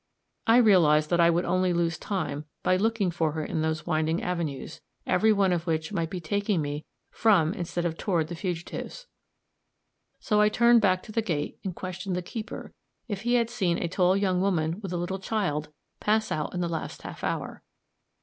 I realized that I would only lose time by looking for her in those winding avenues, every one of which might be taking me from instead of toward the fugitives; so I turned back to the gate and questioned the keeper if he had seen a tall young woman with a little child pass out in the last half hour.